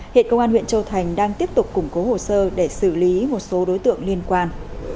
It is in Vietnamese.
hiện công an huyện châu thành đang tiếp tục củng cố hồ sơ để xử lý một số đối tượng liên quan